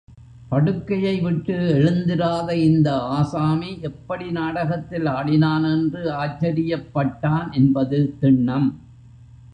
படுக்கையை விட்டு எழுந்திராத இந்த ஆசாமி எப்படி நாடகத்தில் ஆடினான் என்று ஆச்சரியப்பட்டான் என்பது திண்ணம்.